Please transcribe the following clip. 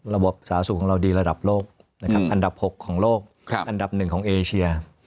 ระบบสาสุกของเราดีระดับโลกอันดับ๖ของโลกอันดับ๑ของเอเชีย